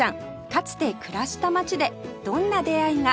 かつて暮らした街でどんな出会いが？